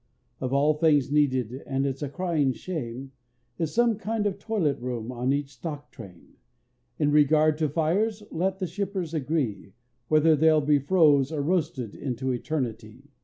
Of all things needed, and it's a crying shame, Is some kind of toilet room on each stock train; In regard to fires, let the shippers agree, Whether they'll be froze or roasted into eternity.